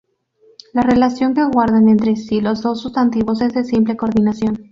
La relación que guardan entre sí los dos sustantivos es de simple coordinación.